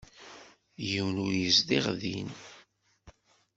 Yiwen ur yezdiɣ din.